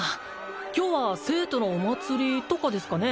今日は聖都のお祭りとかですかね？